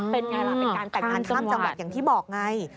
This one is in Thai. เป็นไงล่ะเป็นการแต่งงานข้ามจังหวัดอย่างที่บอกไง